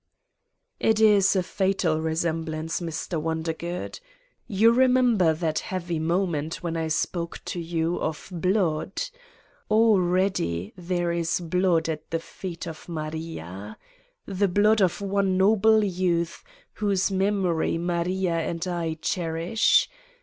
"It is a fatal resemblance, Mr. Wondergood. You remember that heavy moment when I spoke to you of blood? Already there is blood at the feet of Maria ... the blood of one noble youth whose memory Maria and I cherish.